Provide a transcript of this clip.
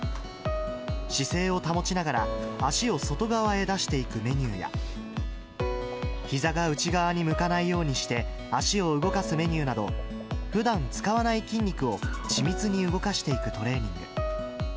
姿勢を保ちながら、足を外側へ出していくメニューや、ひざが内側に向かないようにして、足を動かすメニューなど、ふだん使わない筋肉を緻密に動かしていくトレーニング。